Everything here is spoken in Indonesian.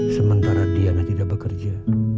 sementara diana tidak bekerja